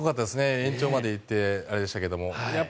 延長まで行ってあれでしたけど。